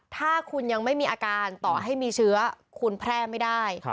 ถ้าคุณยังไม่มีอาการต่อให้มีเชื้อคุณแพร่ไม่ได้